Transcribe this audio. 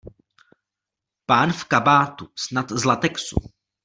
Pán v kabátu snad z latexu.